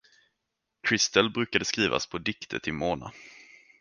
Christel brukade skriva små dikter till Mona.